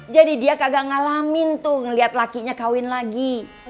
jadi dia kagak ngalamin tuh ngeliat lakinya kawin lagi